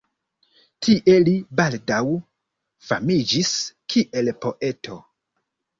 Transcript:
Tie li baldaŭ famiĝis kiel poeto.